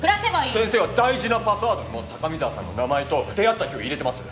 先生は大事なパスワードにも高見沢さんの名前と出会った日を入れてますよね？